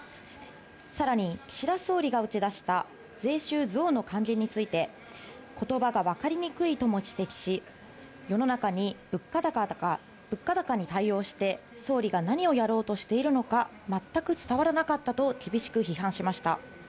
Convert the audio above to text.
さらに岸田総理が打ち出した税収増の還元について言葉がわかりにくいとも指摘し、世の中に物価高に対応して総理が何をやろうとしているのか、まったく伝わらなかったと厳しく批判しました。